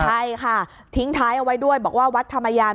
ใช่ค่ะทิ้งท้ายเอาไว้ด้วยบอกว่าวัดธรรมยาน